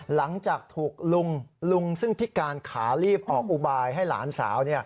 หลังจากถูกลุงลุงซึ่งพิการขารีบออกอุบายให้หลานสาว